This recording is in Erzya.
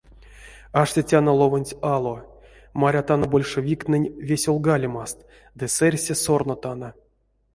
Аштетяно ловонть ало, марятано большевиктнень весёлгалемаст ды сэрьсэ сорнотано.